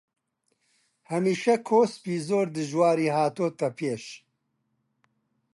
هەمیشە کۆسپی زۆر دژواری هاتۆتە پێش